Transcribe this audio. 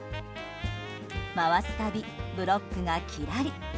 回すたび、ブロックがきらり。